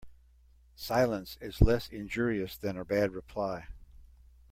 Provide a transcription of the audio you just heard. Silence is less injurious than a bad reply.